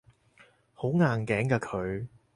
好硬頸㗎佢